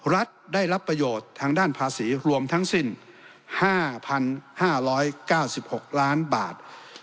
รัฐได้รับประโยชน์ทางด้านภาษีรวมทั้งสิ้น๕๕๙๖ล้านบาท